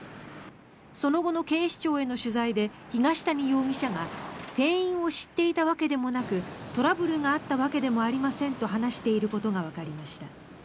その後の警視庁への取材で東谷容疑者が店員を知っていたわけでもなくトラブルがあったわけでもありませんと話していることがわかりました。